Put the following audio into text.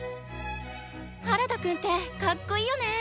原田くんってかっこいいよね。